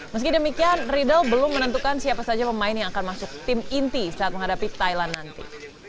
meski demikian riedel belum menentukan siapa saja pemain yang akan masuk tim inti saat menghadapi thailand nanti